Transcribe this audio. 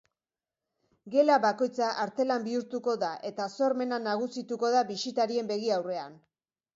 Gela bakoitza arte-lan bihurtuko da eta sormena nagusituko da bisitarien begi aurrean.